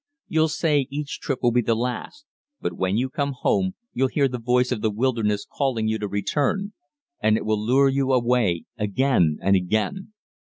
You'll say each trip will be the last, but when you come home you'll hear the voice of the wilderness calling you to return, and it will lure you away again and again.